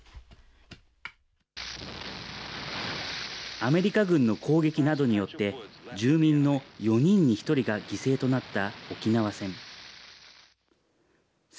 アメリカ軍の攻撃などによって、住民の４人に１人が犠牲となった沖縄戦。